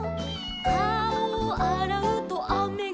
「かおをあらうとあめがふる」